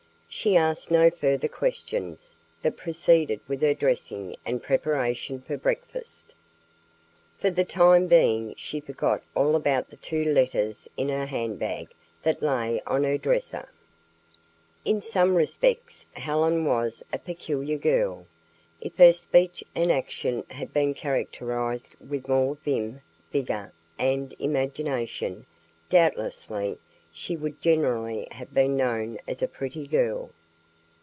She asked no further questions, but proceeded with her dressing and preparation for breakfast. For the time being, she forgot all about the two letters in her handbag that lay on her dresser. In some respects Helen was a peculiar girl. If her speech and action had been characterized with more vim, vigor and imagination, doubtlessly she would generally have been known as a pretty girl.